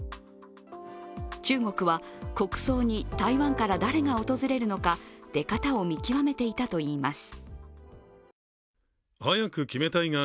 中国は国葬に台湾から誰が訪れるのか出方を見極めていたといいます。